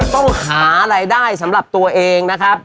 ต้องหารายได้สำหรับตัวเองนะครับ